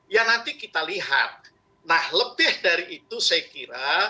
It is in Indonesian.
ya nanti kita lihat nah lebih dari itu saya kira